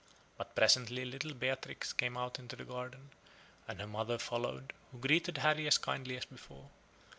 But presently little Beatrix came out into the garden, and her mother followed, who greeted Harry as kindly as before.